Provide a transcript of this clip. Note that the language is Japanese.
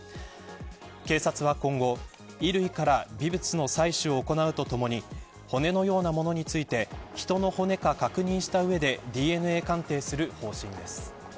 警察は今後、衣類から微物の採取を行うとともに骨のようなものについて人の骨か確認したうえでＤＮＡ鑑定する方針です。